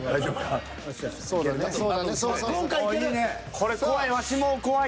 これ怖い。